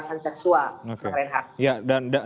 mengenai keterasan seksual